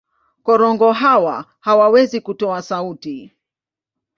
Korongo hawa hawawezi kutoa sauti.